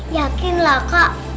yakin lah kak